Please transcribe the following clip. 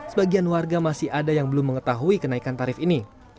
sebagian warga masih ada yang belum mengetahui kenaikan tarif ini